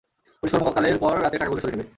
পুলিশরা কর্মকালের পর রাতে টাকাগুলো সরিয়ে নেবে।